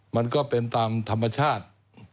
มันก็เป็นตามธรรมชาติ